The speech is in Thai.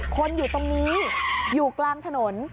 คนอยู่ตรงนี้อยู่กลางถนน